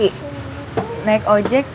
naik ojek sampai depan kompleks